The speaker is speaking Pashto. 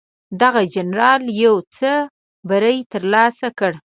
دغه جنرال یو څه بری ترلاسه کړ.